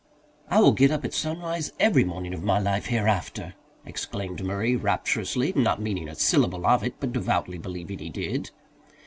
"I will get up at sunrise every morning of my life hereafter," exclaimed Murray rapturously, not meaning a syllable of it, but devoutly believing he did.